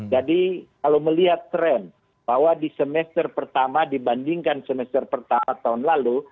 jadi kalau melihat tren bahwa di semester pertama dibandingkan semester pertama tahun lalu